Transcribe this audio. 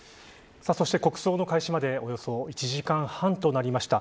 そして国葬の開始までおよそ１時間半となりました。